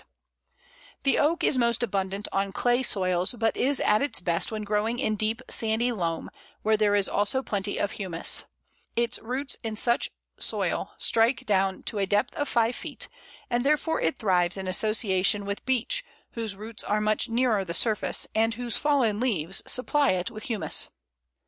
[Illustration: Pl. 4. Bole of Oak.] [Illustration: Pl. 5. Flowers of Oak.] The Oak is most abundant on clay soils, but is at its best when growing in deep sandy loam, where there is also plenty of humus. Its roots in such soil strike down to a depth of five feet, and therefore it thrives in association with Beech, whose roots are much nearer the surface, and whose fallen leaves supply it with humus.